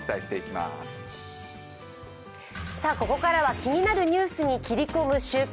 ここからは気になるニュースに切り込む、「週刊！